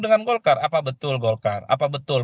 dengan golkar apa betul golkar apa betul